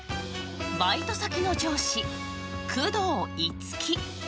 バイト先の上司、久遠樹。